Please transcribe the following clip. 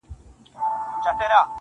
• او په وجود كي مي.